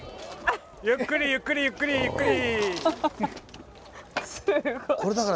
ゆっくりゆっくりゆっくりゆっくり。